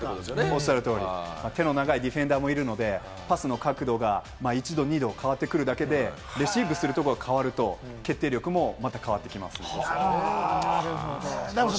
おっしゃる通り、手の長いディフェンスもいるので、パスの角度が１度、２度変わるだけで、レシーブするところが変わるだけで、決定力も変わってきます。